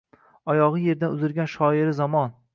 Oyogʼi yerdan uzilgan shoiri zamon.